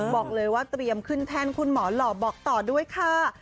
บอกเลยว่าเตรียมขึ้นแท่นคุณหมอหล่อบอกต่อด้วยค่ะ